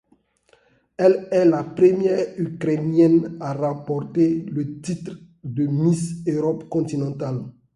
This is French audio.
Elle est la première ukraienne à remporter le titre de Miss Europe Continental.